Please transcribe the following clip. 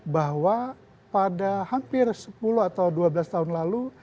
bahwa pada hampir sepuluh atau dua belas tahun lalu